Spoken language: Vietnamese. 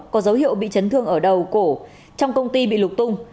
có dấu hiệu bị chấn thương ở đầu cổ trong công ty bị lục tung